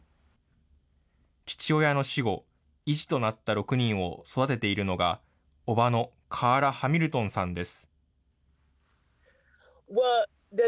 父親の死後、遺児となった６人を育てているのが、伯母のカーラ・ハミルトンさんです。